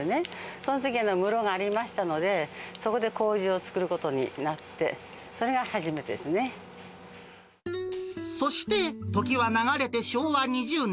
そのときの室がありましたので、そこでこうじを作ることになって、そして時は流れて昭和２０年。